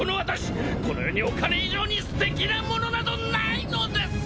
この世にお金以上にすてきなものなどないのです！